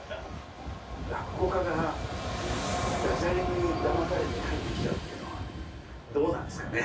落語家が駄じゃれにだまされて入ってきちゃうってのはどうなんですかね？